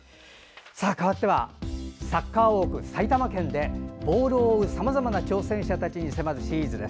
かわってはサッカー王国・埼玉県でボールを追うさまざまな挑戦者たちに迫るシリーズです。